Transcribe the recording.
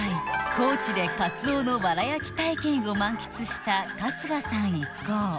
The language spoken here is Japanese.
高知でカツオの藁焼き体験を満喫した春日さん一行